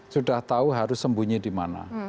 sudah tahu harus sembunyi di mana